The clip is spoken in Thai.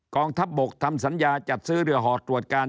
กองทัพบกทำสัญญาจัดซื้อเรือหอดตรวจการ